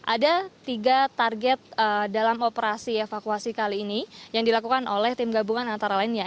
ada tiga target dalam operasi evakuasi kali ini yang dilakukan oleh tim gabungan antara lainnya